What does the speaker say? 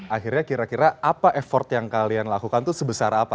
akhirnya kira kira apa effort yang kalian lakukan itu sebesar apa